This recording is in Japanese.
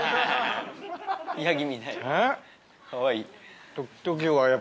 かわいい。